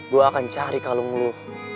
gue akan cari kalung lu